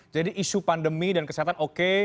jadi isu pandemi dan kesehatan oke